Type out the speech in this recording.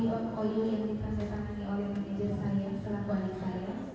oke silakan dilambai dulu